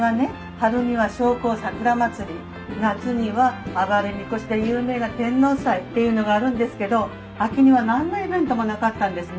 春には商工桜祭り夏には「あばれみこし」で有名な天王祭っていうのがあるんですけど秋には何のイベントもなかったんですね。